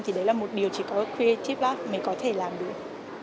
thì đấy là một điều chỉ có creative lab mới có thể làm được